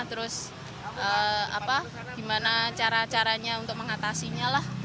terus gimana cara caranya untuk mengatasinya lah